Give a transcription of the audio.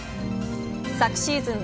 昨シーズン